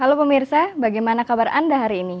halo pemirsa bagaimana kabar anda hari ini